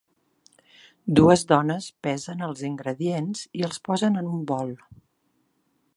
Dues dones pesen els ingredients i els posen en un bol.